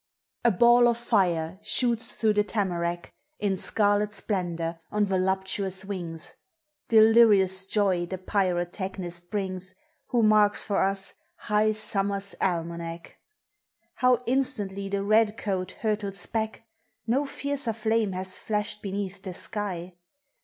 A ball of fire shoots through the tamarack In scarlet splendor, on voluptuous wings; Delirious joy the pyrotechnist brings, Who marks for us high summer's almanac. How instantly the red coat hurtles back! No fiercer flame has flashed beneath the sky.